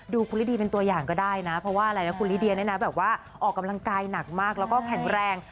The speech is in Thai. คุณลิดีเป็นตัวอย่างก็ได้นะเพราะว่าอะไรนะคุณลิเดียเนี่ยนะแบบว่าออกกำลังกายหนักมากแล้วก็แข็งแรง